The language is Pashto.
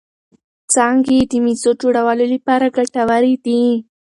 څانګې یې د مېزو جوړولو لپاره ګټورې دي.